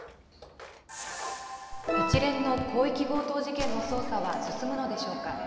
一連の広域強盗事件の捜査は進むのでしょうか。